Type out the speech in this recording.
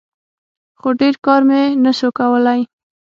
خو ډېر کار مې نسو کولاى.